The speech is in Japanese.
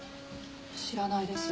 知らないです。